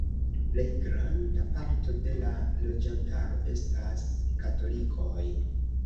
Plej granda parto de la loĝantaro estas katolikoj.